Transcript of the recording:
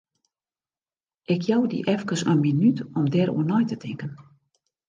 Ik jou dy efkes in minút om dêroer nei te tinken.